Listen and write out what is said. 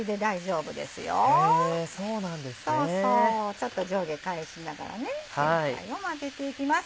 ちょっと上下返しながらね全体を混ぜていきます。